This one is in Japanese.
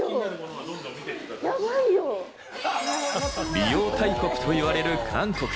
美容大国といわれる韓国。